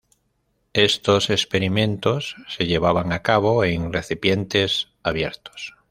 Estos experimentos, se llevaban a cabo en recipientes abiertos.